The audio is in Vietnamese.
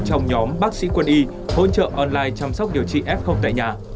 trong nhóm bác sĩ quân y hỗ trợ online chăm sóc điều trị f tại nhà